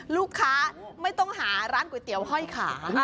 ลูกค้าไม่ต้องหาร้านก๋วยเตี๋ยวห้อยขา